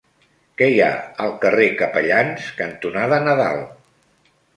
Què hi ha al carrer Capellans cantonada Nadal?